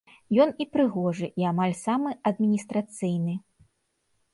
Ён і прыгожы, і амаль самы адміністрацыйны.